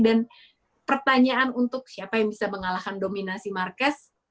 dan pertanyaan untuk siapa yang bisa mengalahkan dominasi marquez